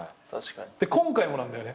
今回もなんだよね。